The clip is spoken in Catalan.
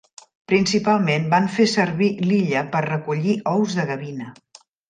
Principalment van fer servir l'illa per recollir ous de gavina.